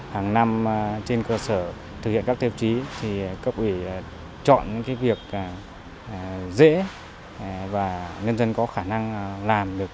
hàng năm trên cơ sở thực hiện các tiêu chí thì cấp ủy chọn những việc dễ và nhân dân có khả năng làm được